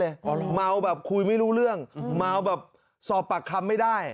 เมาแบบคุยไม่รู้เรื่องเมาแบบสอบปากคำไม่ได้